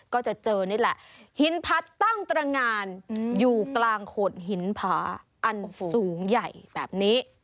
ก็จะเจอนี่แหละหินพัดตั้งตรงานอยู่กลางโขดหินผาอันสูงใหญ่แบบนี้